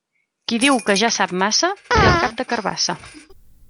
Qui diu que ja sap massa, té el cap de carabassa.